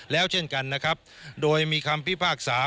และเช่นกันนะครับ